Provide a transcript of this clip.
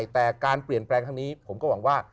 แต่การเปลี่ยนแปลงทั้งนี้ผมก็หวังว่า